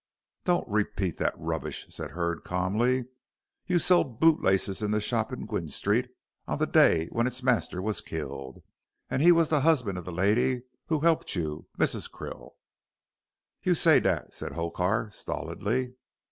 "Don't repeat that rubbish," said Hurd, calmly; "you sold boot laces in the shop in Gwynne Street on the day when its master was killed. And he was the husband of the lady who helped you Mrs. Krill." "You say dat," said Hokar, stolidly.